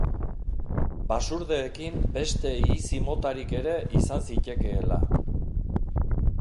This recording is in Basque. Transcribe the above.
Basurdeekin beste ihizi motarik ere izan zitekeela.